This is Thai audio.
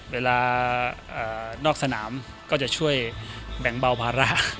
เวลานอกสนามก็จะช่วยแบ่งเบาภาระ